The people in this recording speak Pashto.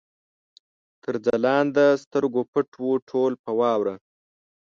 تر ځلانده سترګو پټ وو، ټول په واوره